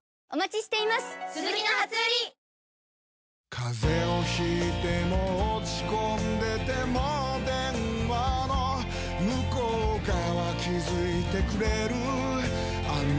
風邪を引いても落ち込んでても電話の向こう側気付いてくれるあなたの声